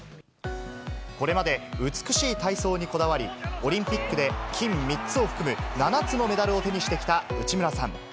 これまで美しい体操にこだわり、オリンピックで金３つを含む７つのメダルを手にしてきた内村さん。